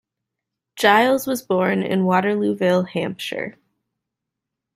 Giles was born in Waterlooville, Hampshire.